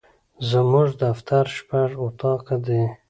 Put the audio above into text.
زموږ دفتر شپږ اطاقه دي.